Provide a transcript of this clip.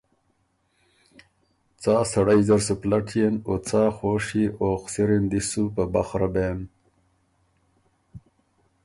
څا سړئ زر سُو پلټيېن او څا خوشيې او خسِري ن دی سو په بخره بېن۔